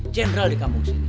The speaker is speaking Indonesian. general di kampung sini